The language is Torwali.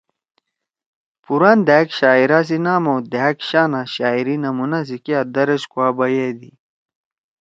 پُوران دھأک شاعرا سی نام او دھأک شانا شاعری نمونا سی کیا درج کُوا بَیَدی۔